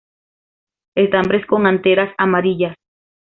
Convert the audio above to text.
Estambres con anteras amarillas.